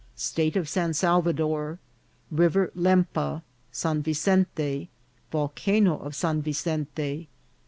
— State of San Salvador. — River Lempa. — San Vicente. — Volcano of San Vicente.